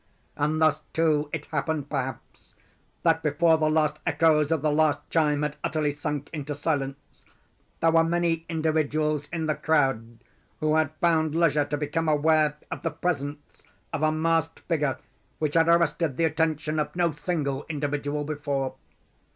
And thus, too, it happened, perhaps, that before the last echoes of the last chime had utterly sunk into silence, there were many individuals in the crowd who had found leisure to become aware of the presence of a masked figure which had arrested the attention of no single individual before.